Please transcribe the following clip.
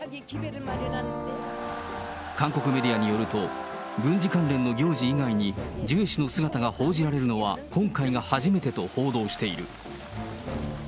韓国メディアによると、軍事関連の行事以外にジュエ氏の姿が報じられるのは、今回が初めてと報道している。